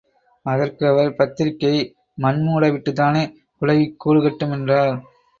அதற்கு அவர் பத்திரிகை மண் மூட விட்டுத்தானே குளவிக் கூடு கட்டும் என்றார்.